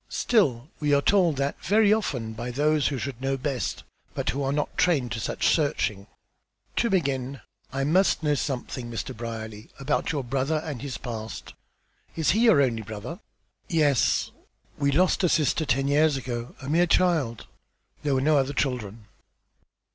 "Still we are told that very often by those who should know best, but who were not trained to such searching. To begin, I must know something, Mr. Brierly, about your brother and his past. Is he your only brother?" "Yes. We lost a sister ten years ago, a mere child. There were no other children."